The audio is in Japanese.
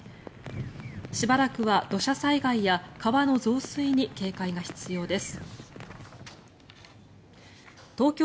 しばらくは土砂災害や川の増水に警戒が必要です。